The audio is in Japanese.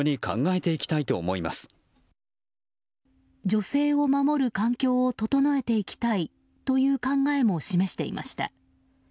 女性を守る環境を整えていきたいという考えも示していました。